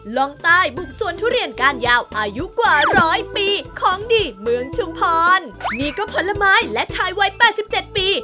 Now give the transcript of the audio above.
ลงใต้บุกสวนทุเรียนก้านยาวอายุกว่าร้อยปีของดีเมืองชุมพรนี่ก็ผลไม้และชายวัย๘๗ปี